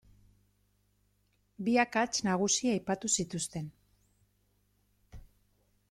Bi akats nagusi aipatu zituzten.